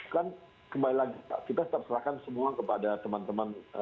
kan kembali lagi kita terserahkan semua kepada teman teman